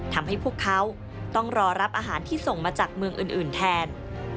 ทำให้พวกเขาต้องรอรับอาหารที่ส่งมาจากเมืองอื่นแทน